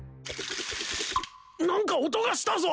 何か音がしたぞ！